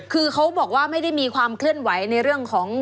คือเขาบอกว่าไม่ได้มีความเคลื่อนไหวในเรื่องของ